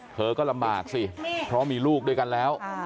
เธอก็ลำบากสิเพราะมีลูกด้วยกันแล้ว